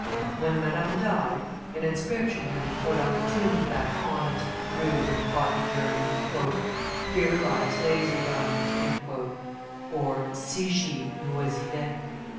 When Madame died, an inscription had been put on the tomb of that honest, rude, and haughty German: "Here lies Lazybones" (Ci git l'oisivete).